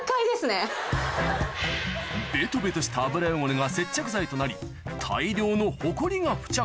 ベトベトした油汚れが接着剤となり大量のホコリが付着